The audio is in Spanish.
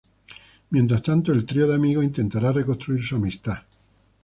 Mientras tanto, el trío de amigos intentará reconstruir su amistad.